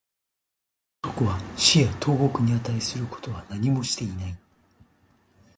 あの男は死や投獄に値することは何もしていない